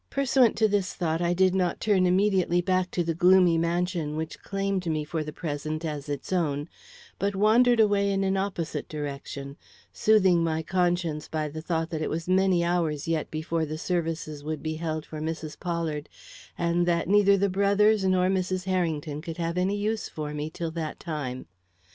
Pursuant to this thought I did not turn immediately back to the gloomy mansion which claimed me for the present as its own, but wandered away in an opposite direction, soothing my conscience by the thought that it was many hours yet before the services would be held for Mrs. Pollard, and that neither the brothers nor Mrs. Harrington could have any use for me till that time.